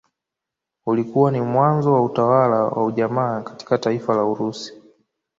Ulikuwa ni mwanzo wa utawala wa ujamaa katika taifa la Urusi